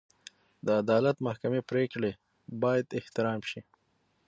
د عدالت محکمې پرېکړې باید احترام شي.